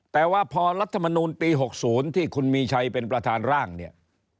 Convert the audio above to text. แต่ว่าพอรัฐมนูลปี๖๐ที่คุณมีชัยเป็นประธานร่างเนี่ย